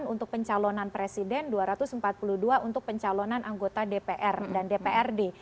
dua ratus dua puluh delapan untuk pencalonan presiden dua ratus empat puluh dua untuk pencalonan anggota dpr dan dprd